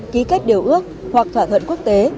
ký kết điều ước hoặc thỏa thuận quốc tế